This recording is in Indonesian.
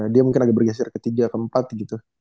dia mungkin agak bergeser ke tiga ke empat gitu